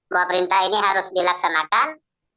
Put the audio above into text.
bahwa perintah ini harus dilaksanakan